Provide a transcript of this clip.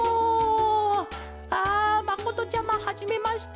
あまことちゃまはじめまして。